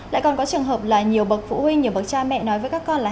lại còn có trường hợp là nhiều bậc phụ huynh nhiều bậc cha mẹ nói với các con là